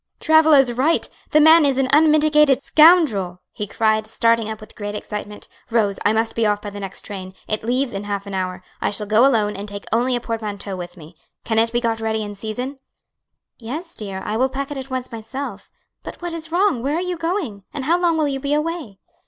"Travilla is right! the man is an unmitigated scoundrel!" he cried, starting up with great excitement. "Rose, I must be off by the next train; it leaves in half an hour. I shall go alone and take only a portmanteau with me. Can it be got ready in season?" "Yes, dear, I will pack it at once myself. But what is wrong? Where are you going? and how long will you be away?"